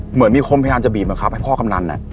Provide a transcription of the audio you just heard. เหมือนมีคนพยายามจะบีมกับพ่อกำนัน